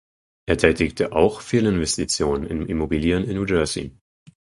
Er tätigte auch Fehlinvestitionen in Immobilien in New Jersey.